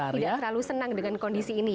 tidak terlalu senang dengan kondisi ini